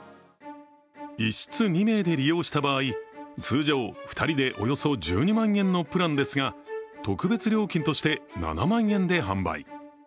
１室２名で利用した場合、通常２人でおよそ１２万円のプランですが、特別料金として７万円で販売。